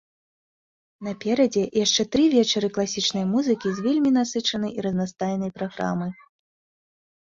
Наперадзе яшчэ тры вечары класічнай музыкі з вельмі насычанай і разнастайнай праграмай.